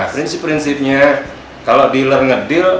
prinsip prinsipnya kalau dealer ngedeal